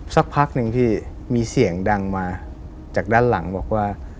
สักพักหนึ่งพี่มีเสียงดังมาจากด้านหลังบอกว่า